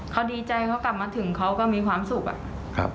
เขาดีใจเขากลับมาถึงเขาก็มีความสุขอะ